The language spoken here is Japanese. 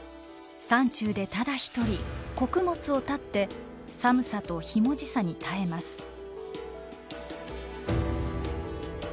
山中でただ一人穀物を断って寒さとひもじさに耐えます。